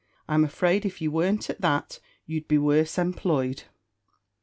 I'm afraid if you weren't at that you'd be worse employed."